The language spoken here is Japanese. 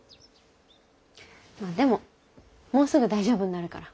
まあでももうすぐ大丈夫になるから。